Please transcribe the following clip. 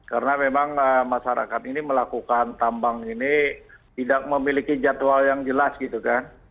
karena memang masyarakat ini melakukan tambang ini tidak memiliki jadwal yang jelas gitu kan